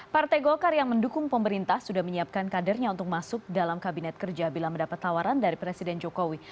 partai golkar yang mendukung pemerintah sudah menyiapkan kadernya untuk masuk dalam kabinet kerja bila mendapat tawaran dari presiden jokowi